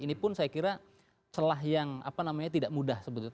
ini pun saya kira celah yang tidak mudah sebetulnya